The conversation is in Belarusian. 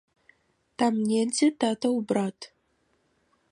Там недзе татаў брат.